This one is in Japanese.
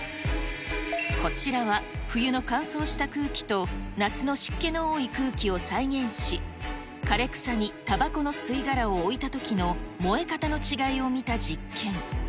こちらは、冬の乾燥した空気と夏の湿気の多い空気を再現し、枯れ草にたばこの吸い殻を置いたときの燃え方の違いを見た実験。